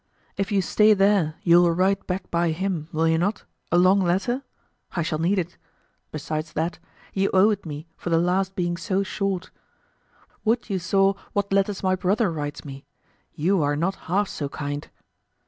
If you stay there you will write back by him, will you not, a long letter? I shall need it; besides that, you owe it me for the last being so short. Would you saw what letters my brother writes me; you are not half so kind.